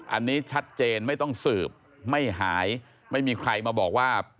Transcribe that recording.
อันนี้ชัดเจนไม่ต้องสืบไม่หายไม่มีใครมาบอกว่า